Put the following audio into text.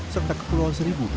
serta kekulauan seribu